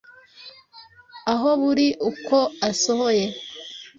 aho buri uko asohoye